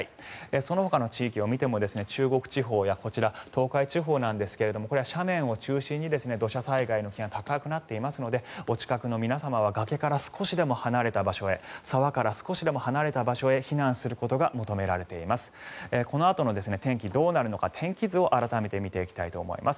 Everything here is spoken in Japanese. そのほかの地域を見ても中国地方や東海地方これは斜面を中心に土砂災害の危険が高まっていますのでお近くの皆さんは崖から少しでも離れた場所へ沢から少しでも離れた場所へ避難することが求められています。